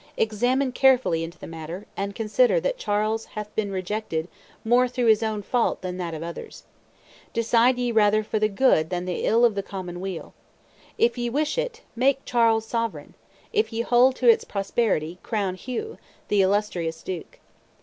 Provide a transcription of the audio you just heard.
Examine carefully into the matter, and consider that Charles hath been rejected more through his own fault than that of others. Decide ye rather for the good than the ill of the common weal. If ye wish it ill, make Charles sovereign; if ye hold to its prosperity, crown Hugh, the illustrious duke.